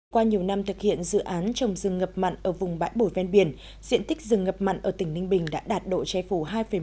qua nhiều năm thực hiện dự án trồng rừng ngập mặn ở vùng bãi bổi ven biển diện tích rừng ngập mặn ở tỉnh ninh bình đã đạt độ che phủ hai một